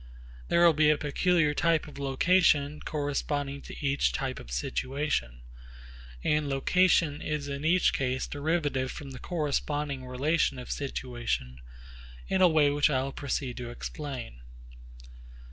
There will be a peculiar type of location corresponding to each type of situation; and location is in each case derivative from the corresponding relation of situation in a way which I will proceed to explain.